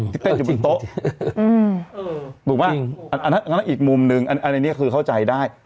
ที่เต้นอยู่บนโต๊ะถูกไหมครับอีกมุมนึงอันนี้คือเข้าใจได้